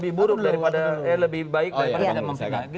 itu buruk daripada eh lebih baik daripada tidak mampu